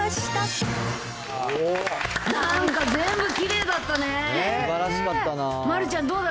すばらしかったな。